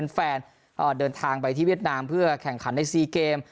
ของแฟนแฟนอ่าเดินทางไปที่เวียดนามเพื่อแข่งขันในซีเกม